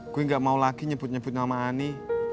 gue gak mau lagi nyebut nyebut nama ani